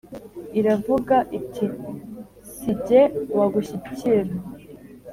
iravuga iti «si jye wagushyikira.